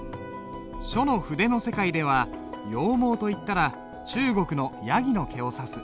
書の筆の世界では羊毛といったら中国のヤギの毛を指す。